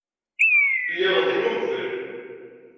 Lliɣ din uqbel.